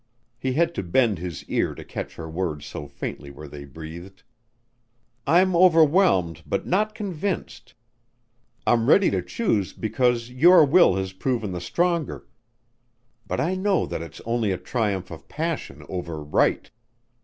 He had to bend his ear to catch her words so faintly were they breathed. "I'm overwhelmed, but not convinced. I'm ready to choose because your will has proven the stronger but I know that it's only a triumph of passion over right.